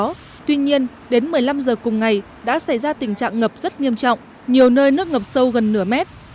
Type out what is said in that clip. ngày hôm nay đã xảy ra tình trạng ngập rất nghiêm trọng nhiều nơi nước ngập sâu gần nửa mét